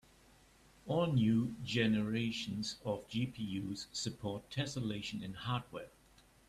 All new generations of GPUs support tesselation in hardware.